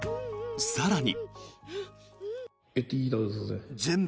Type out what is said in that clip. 更に。